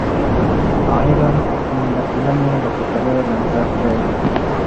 علم د ټولني د سوکالۍ بنسټ دی.